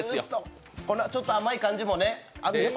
このちょっと甘い感じもね。